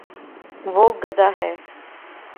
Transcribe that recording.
وہ گد ہ ہے